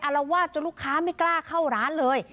รวาสจนลูกค้าไม่กล้าเข้าร้านเลย